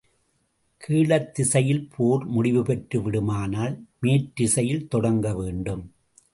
கீழ்த் திசையில் போர் முடிவுபெற்று விடுமானால், மேற்றிசையில் தொடங்கவேண்டும்.